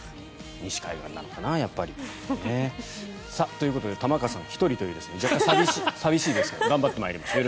西海岸なのかなやっぱり。ということで玉川さん１人ということで若干寂しいですが頑張ってまいりましょう。